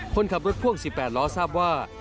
คนขับรถพ่วง๑๘ล้อทราบว่า